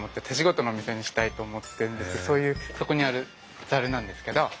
手仕事の店にしたいと思ってるんですけどそういうそこにあるザルなんですけど。